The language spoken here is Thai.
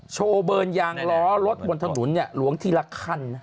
โชว์เบิร์นยางล้อรถบนถนนหลวงทีละคัน